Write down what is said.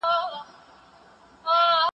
زه به اوږده موده د کتابتون لپاره کار وم